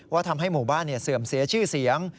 ทำให้หมู่บ้านเสื่อมเสียชื่อเสียง